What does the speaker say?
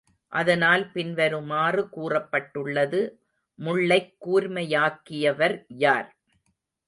அதனால் பின்வருமாறு கூறப்பட்டுள்ளது முள்ளைக் கூர்மையாக்கியவர் யார்?